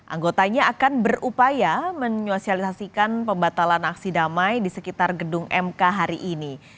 anggotanya akan berupaya menyosialisasikan pembatalan aksi damai di sekitar gedung mk hari ini